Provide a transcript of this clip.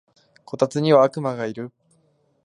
こたつには悪魔がいる